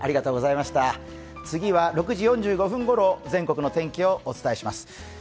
次は６時４５分ごろ全国のお天気をお伝えします。